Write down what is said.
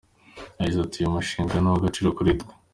Yagize ati “Uyu mushinga ni uw’agaciro kuri twe.